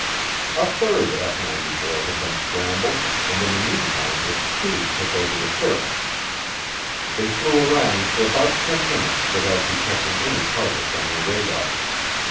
A third F 94 had been scrambled, and in the meantime its crew took over the search. They flew around for about ten minutes without detecting any targets on their radar.